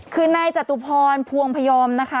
คือนายจตุพรพวงพยอมนะคะ